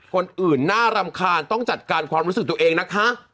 คนอื่นน่ารำคาญต้องจัดการความรู้สึกตัวเองนะคะ